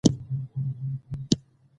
سیاسي ثبات د عدالت پایله ده